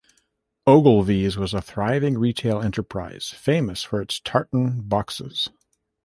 Ogilvy's was a thriving retail enterprise, famous for its "tartan boxes".